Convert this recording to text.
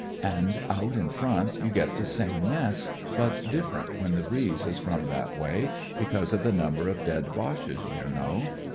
And out in front you get the same mess, but different when the breeze is from that way, because of the number of dead Boches, you know.